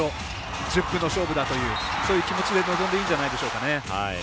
１０分の勝負だという気持ちで臨んでいいんじゃないでしょうかね。